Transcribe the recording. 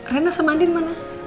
renah sama andin mana